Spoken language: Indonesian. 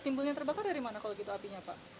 timbulnya terbakar dari mana kalau gitu apinya pak